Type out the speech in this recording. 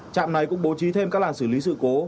trạm này cũng bố trí thêm các làn xử lý sự cố